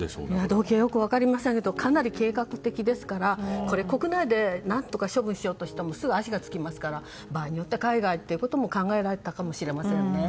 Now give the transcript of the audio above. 動機はよく分かりませんけどもかなり計画的ですからこれ、国内で何とか処分しようとしてもすぐ足がつきますから場合によっては海外ということも考えられたかもしれませんね。